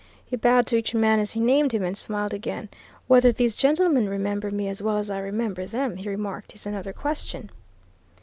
He bowed to each man as he named him, and smiled again. "Whether these gentlemen remember me as well as I remember them," he remarked, "is another question!"